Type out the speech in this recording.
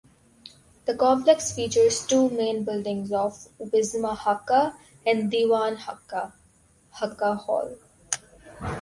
The complex features two main buildings of "Wisma Hakka" and "Dewan Hakka" (Hakka Hall).